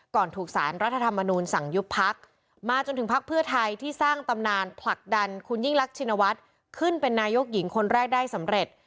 ถูกสารรัฐธรรมนูลสั่งยุบพักมาจนถึงพักเพื่อไทยที่สร้างตำนานผลักดันคุณยิ่งรักชินวัฒน์ขึ้นเป็นนายกหญิงคนแรกได้สำเร็จ